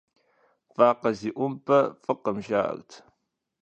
Вакъэм зиӀубмэ, фӀыкъым, жаӀэрт.